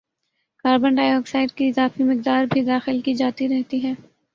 carbon dioxide کی اضافی مقدار بھی داخل کی جاتی رہتی ہے